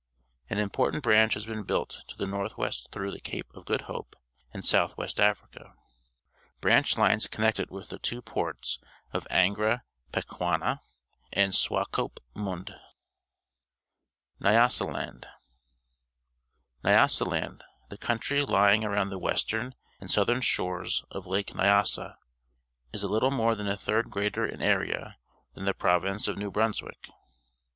An important branch has been built to the north west through Cape of Good Hope and South West Africa. Branch lines connect it with the two ports of Angra Pequena and Swakopmund. NYASALAND N'ljasaland, the country lying around the western and southern shores of Lake Xyasa, is a Uttle more than a third greater in area than the province of New Brunswick.